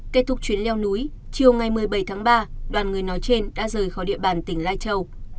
kết thúc chuyến leo núi chiều ngày một mươi bảy tháng ba đoàn người nói trên đã rời khỏi địa bàn tỉnh lai châu